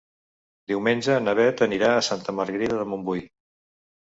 Diumenge na Bet anirà a Santa Margarida de Montbui.